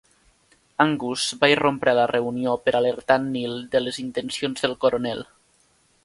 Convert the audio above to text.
Angus va irrompre a la reunió per alertar en Neil de les intencions del coronel.